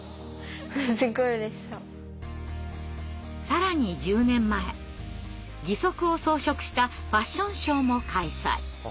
更に１０年前義足を装飾したファッションショーも開催。